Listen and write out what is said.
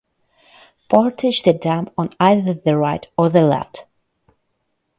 Portage the dam on either the right or the left.